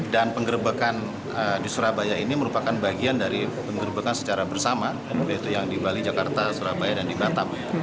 dan pengerebekan di surabaya ini merupakan bagian dari pengerebekan secara bersama yaitu yang di bali jakarta surabaya dan di batam